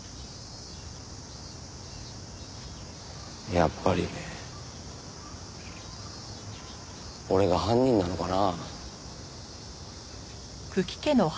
やっぱり俺が犯人なのかな？